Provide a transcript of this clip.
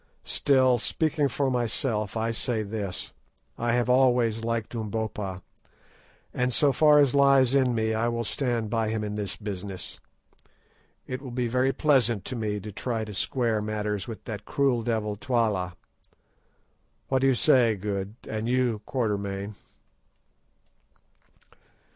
Still, speaking for myself, I say this. I have always liked Umbopa, and so far as lies in me I will stand by him in this business. It will be very pleasant to me to try to square matters with that cruel devil Twala. What do you say, Good, and you, Quatermain?"